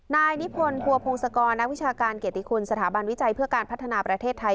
นายนิพนธ์ภัวพงศกรนักวิชาการเกียรติคุณสถาบันวิจัยเพื่อการพัฒนาประเทศไทย